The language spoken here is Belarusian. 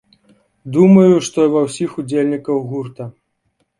Думаю, што і ўва ўсіх удзельнікаў гурта.